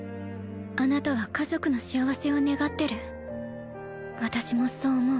あなたは家族の幸せを願ってる私もそう思う